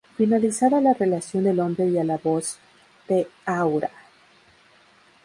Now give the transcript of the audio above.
Finalizada la relación del hombre y a la voz de "¡aura!